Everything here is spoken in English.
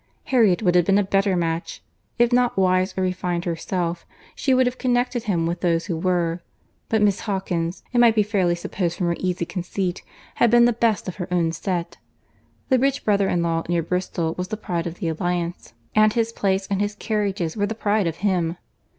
Harriet would have been a better match. If not wise or refined herself, she would have connected him with those who were; but Miss Hawkins, it might be fairly supposed from her easy conceit, had been the best of her own set. The rich brother in law near Bristol was the pride of the alliance, and his place and his carriages were the pride of him.